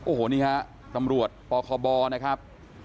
โอ้โหนี่ครับตำรวจปคบ